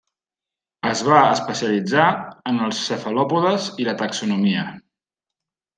Es va especialitzar en els cefalòpodes i la taxonomia.